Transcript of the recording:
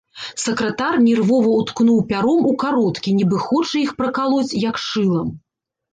Сакратар нервова ўткнуў пяром у кароткі, нібы хоча іх пракалоць, як шылам.